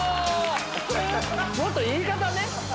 もっと言い方ね。